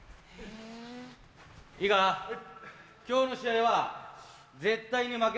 いいか今日の試合は絶対に負けられないぞ。